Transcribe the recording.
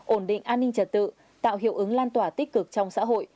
ổn định an ninh trật tự tạo hiệu ứng lan tỏa tích cực trong xã hội